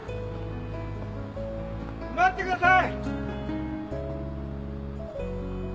待ってください！